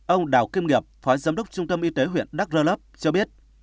ông đào kim nghiệp phó giám đốc trung tâm y tế huyện đắk rơ lấp cho biết